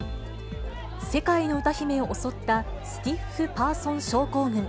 世界の歌姫を襲ったスティッフパーソン症候群。